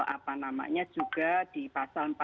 apa namanya juga di pasal empat puluh